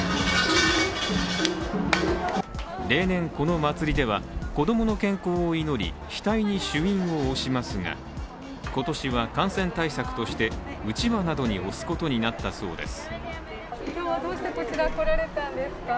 例年、この祭りでは子供の健康を祈り額に朱印を押しますが今年は感染対策として、うちわなどに押すことになったそうです。